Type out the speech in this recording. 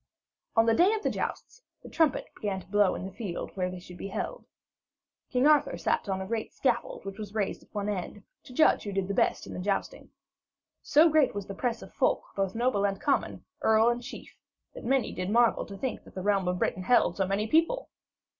On the day of the jousts the trumpets began to blow in the field where they should be held. King Arthur sat on a great scaffold which was raised at one end, to judge who did best in the jousting. So great was the press of folk, both noble and common, earls and chiefs, that many did marvel to think that the realm of Britain held so many people.